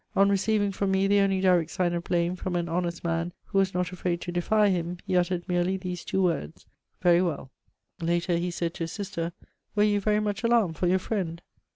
On receiving from me the only direct sign of blame from an honest man who was not afraid to defy him, he uttered merely these two words: "Very well." Later, he said to his sister: "Were you very much alarmed for your friend?"